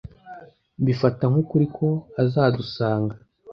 Mbifata nk'ukuri ko azadusanga.